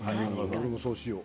俺もそうしよう。